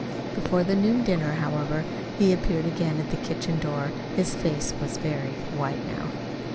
Before the noon dinner, however, he appeared again at the kitchen door. His face was very white now.